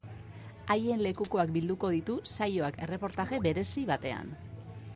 Haien lekukoak bilduko ditu saioak erreportaje berezi batean.